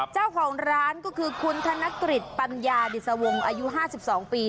เจ้าของร้านก็คือคุณธนกฤษปัญญาดิสวงศ์อายุ๕๒ปี